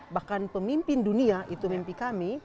bahkan pemimpin dunia itu mimpi kami